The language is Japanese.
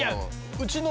うちの。